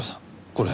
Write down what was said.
これ。